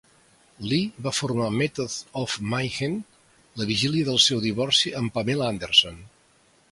Lee va formar Methods of Mayhem la vigília del seu divorci de Pamela Anderson.